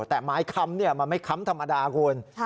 แต่ไม้ค้ำมันไม่ค้ำธรรมดาคุณ